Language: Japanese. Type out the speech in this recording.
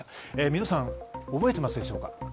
皆さん覚えてますでしょうか。